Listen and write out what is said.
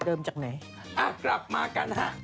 จากไหนอ่ะกลับมากันฮะ